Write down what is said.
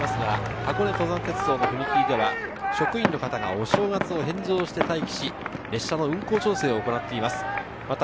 箱根登山鉄道の踏み切りでは職員の方が、お正月を返上して待機し、列車の運行調整を行っています。